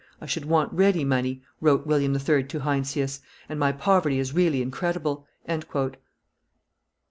"I should want ready money," wrote William III. to Heinsius, "and my poverty is really incredible."